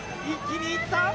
一気にいった！